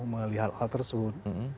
melihat hal tersebut